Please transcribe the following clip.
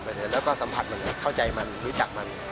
แล้วก็สัมผัสมันเข้าใจมันรู้จักมัน